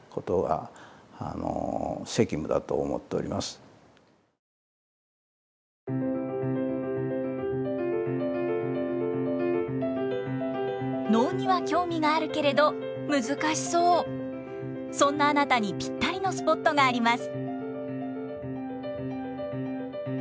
とにかくこうやって能には興味があるけれど難しそうそんなあなたにぴったりのスポットがあります。